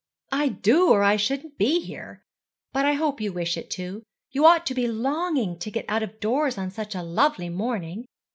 'I do, or I shouldn't be here. But I hope you wish it too. You ought to be longing to get out of doors on such a lovely morning.